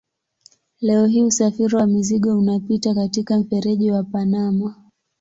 Leo hii usafiri wa mizigo unapita katika mfereji wa Panama.